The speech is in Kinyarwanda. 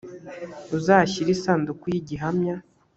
uzashyire isanduku y igihamya